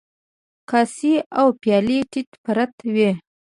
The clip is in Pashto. کاسې او پيالې تيت پرتې وې.